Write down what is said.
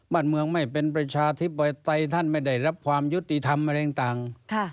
บ้านเมืองไม่เป็นประชาธิปไตยท่านไม่ได้รับความยุติธรรมอะไรต่าง